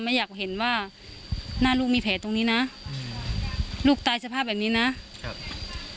ไม่อยากเห็นว่าหน้าลูกมีแผลตรงนี้นะลูกตายสภาพแบบนี้นะครับ